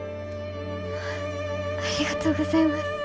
ありがとうございます。